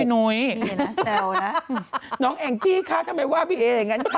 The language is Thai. น้องแองจี่ค่ะทำไมว่าพี่เอ๋อยังงั้นค่ะ